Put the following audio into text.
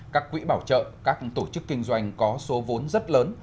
các quỹ bảo trợ các tổ chức kinh doanh có số vốn rất lớn